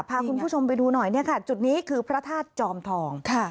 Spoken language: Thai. พาคุณผู้ชมไปดูหน่อยจุดนี้คือพระทาสจอมทอง